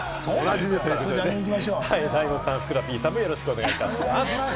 大門さん、ふくらＰさんもよろしくお願いします。